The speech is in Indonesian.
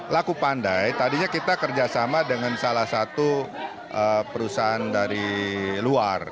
laku pandai tadinya kita kerjasama dengan salah satu perusahaan dari luar